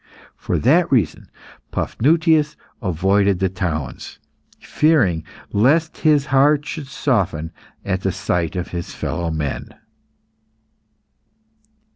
For that reason, Paphnutius avoided the towns, fearing lest his heart should soften at the sight of his fellow men.